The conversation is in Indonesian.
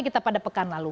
kita pada pekan lalu